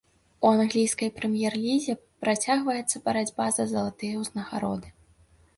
У англійскай прэм'ер-лізе працягваецца барацьба за залатыя ўзнагароды.